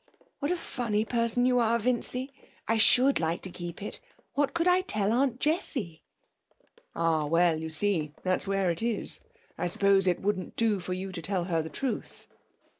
'What a funny person you are, Vincy. I should like to keep it. What could I tell Aunt Jessie?' 'Ah, well, you see, that's where it is! I suppose it wouldn't do for you to tell her the truth.'